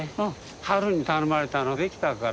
春に頼まれたの出来たから。